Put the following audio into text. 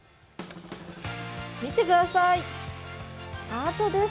見てください、ハートです。